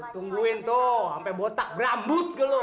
tungguin tuh sampe botak berambut ke lo